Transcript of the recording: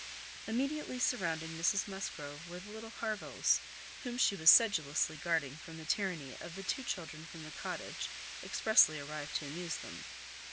Immediately surrounding Mrs Musgrove were the little Harvilles, whom she was sedulously guarding from the tyranny of the two children from the Cottage, expressly arrived to amuse them.